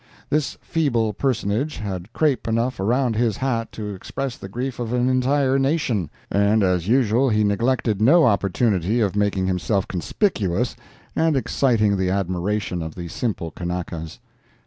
This feeble personage had crape enough around his hat to express the grief of an entire nation, and as usual he neglected no opportunity of making himself conspicuous and exciting the admiration of the simple Kanakas.